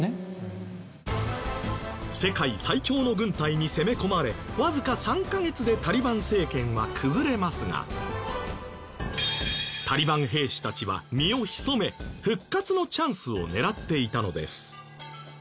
世界最強の軍隊に攻め込まれわずか３カ月でタリバン政権は崩れますがタリバン兵士たちは身を潜め復活のチャンスを狙っていたのです。